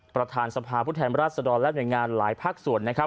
ประธานสภาพุทธแห่งราชดรและแห่งงานหลายภาคส่วน